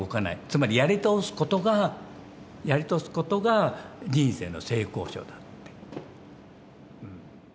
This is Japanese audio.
つまりやり通すことがやり通すことが人生の成功者だって。